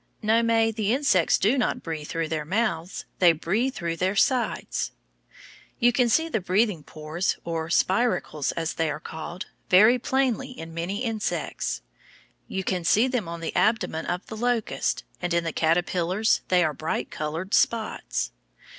No, May, the insects do not breathe through their mouths, they breathe through their sides. You can see the breathing pores, or spiracles, as they are called, very plainly in many insects. You can see them on the abdomen of the locust, and in some caterpillars they are bright colored spots.